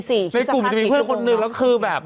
ในกลุ่มจะมีเพื่อนคนนึงแล้วคือแบบ